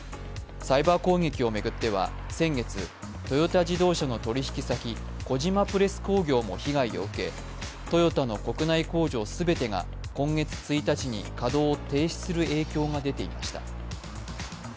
サイバー攻撃を巡っては先月、トヨタ自動車の取引先、小島プレス工業も被害を受けトヨタの国内工場全てが今月１日に稼働を停止する影響が出ていました。